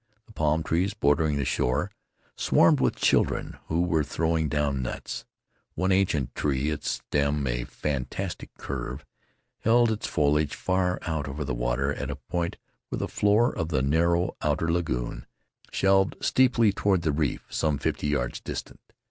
The palm trees bordering the shore swarmed with children who were throwing down nuts. One ancient tree, its stem a fantastic curve, held its foliage far out over the water at a point where the floor of the narrow outer lagoon shelved steeply toward the reef some fifty yards distant.